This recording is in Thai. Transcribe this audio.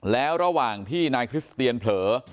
แล้วระหว่างที่นายคริสเตียนเผลอ